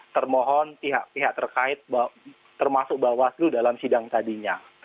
termohon pihak pihak terkait termasuk bawaslu dalam sidang tadinya